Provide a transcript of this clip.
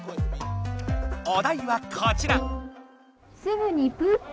お題はこちら！